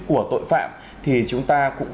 của tội phạm thì chúng ta cũng